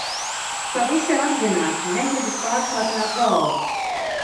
Pavisam apzināti negribas pārsātināt galvu.